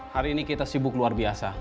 hari ini kita sibuk luar biasa